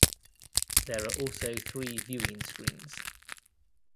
There are also three viewing screens.